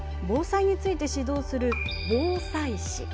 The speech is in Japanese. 防災について指導する防災士。